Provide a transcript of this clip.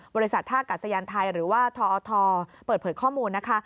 บริษัทท่ากัดสยานไทยหรือว่าทอทเปิดเผยข้อมูลนะคะ